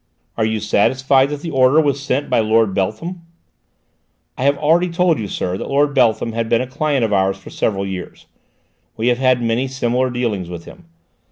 "Are you satisfied that the order was sent by Lord Beltham?" "I have already told you, sir, that Lord Beltham had been a client of ours for several years; we have had many similar dealings with him.